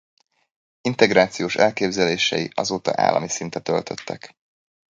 Integrációs elképzelései azóta állami szintet öltöttek.